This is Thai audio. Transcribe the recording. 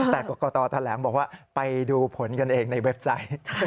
แต่รกฎอตร์แถลงบอกว่าไปดูผลการรับรองกันเองในเว็บไซต์